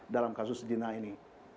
dalam kasus sejina ini